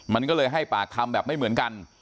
มันก็เลยให้ปากคำแบบไม่เหมือนกัน